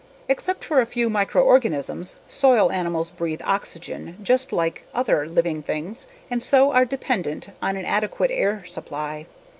Except for a few microorganisms, soil animals breathe oxygen just like other living things and so are dependent on an adequate air supply.